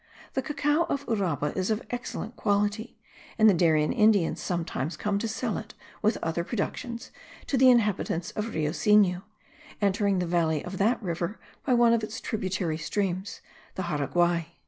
The cacao of Uraba is of excellent quality; and the Darien Indians sometimes come to sell it, with other productions, to the inhabitants of Rio Sinu, entering the valley of that river by one of its tributary streams, the Jaraguai.